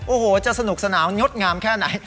โอ้โหจะสนุกสนานงดงามแค่ไหน